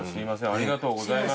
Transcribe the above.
ありがとうございます。